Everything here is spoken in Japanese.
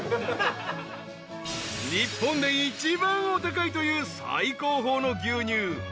［日本で一番お高いという最高峰の牛乳］